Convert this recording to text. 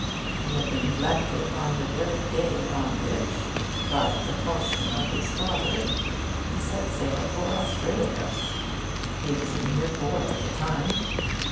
He had been elected on the very day on which (by compulsion of his father) he set sail for Australia. He was a mere boy at the time.